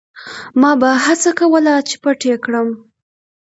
ما به هڅه کوله چې پټ یې کړم.